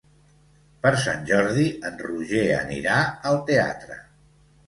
Per Sant Jordi en Roger anirà al teatre.